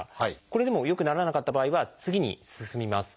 これでも良くならなかった場合は次に進みます。